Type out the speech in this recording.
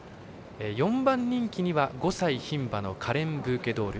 ４番人気には５歳牝馬のカレンブーケドール。